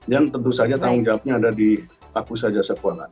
yang tentu saja tanggung jawabnya ada di aku saja sekolah